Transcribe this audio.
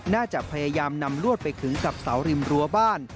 น่าจะพยายามนำลวดไปขึงกับเสาริมรั้วบ้าน